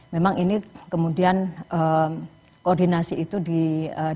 memang ini kemudian koordinasi itu dilakukan